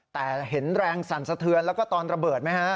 แต่เห็นแรงสั่นสะเทือนแล้วก็ตอนระเบิดไหมฮะ